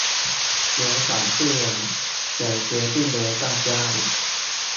有少數人則決定留在家裡